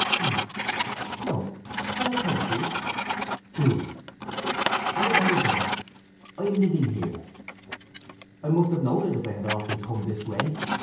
"Ah, no. Shall I tell it to you?" "Do!" "Arabella Donn. I'm living here." "I must have known it if I had often come this way.